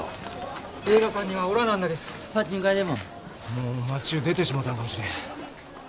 もう町ゅう出てしもうたんかもしれん。